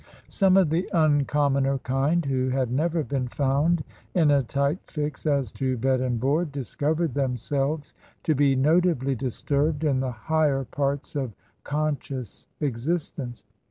Some of the uncommoner kind, who had never been found in a tight fix as to bed and board, discovered them selves to be notably disturbed in the higher parts of con scious existence.